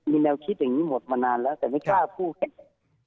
มีแนวคิดอย่างนี้หมดมานานแล้วแต่ไม่กล้าพูดกัน